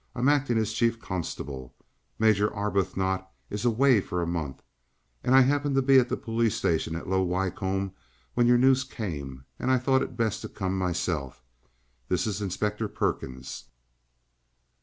I'm acting as Chief Constable. Major Arbuthnot is away for a month. I happened to be at the police station at Low Wycombe when your news came, and I thought it best to come myself. This is Inspector Perkins."